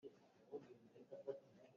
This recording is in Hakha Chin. Kan pipu nih lulpi an rak biak.